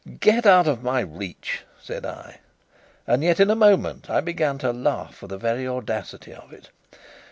"Get out of my reach!" said I; and yet in a moment I began to laugh for the very audacity of it.